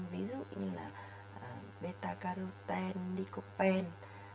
ví dụ như là beta carotene lycopene